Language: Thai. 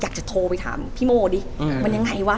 อยากจะโทรไปถามพี่โมดิมันยังไงวะ